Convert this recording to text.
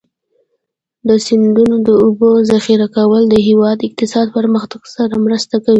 د سیندونو د اوبو ذخیره کول د هېواد اقتصادي پرمختګ سره مرسته کوي.